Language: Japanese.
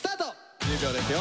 １０秒ですよ。